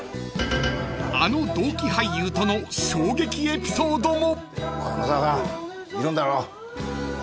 ［あの同期俳優との衝撃エピソードも］